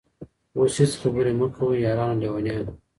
اوس هيڅ خبري مه كوی يارانو ليـونيانـو